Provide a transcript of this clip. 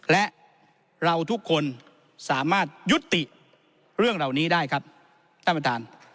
และเราทุกคนสามารถยุติเรื่องเหล่านี้ได้ครับท่านประธาน